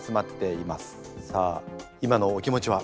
さあ今のお気持ちは？